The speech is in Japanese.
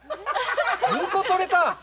２個採れた！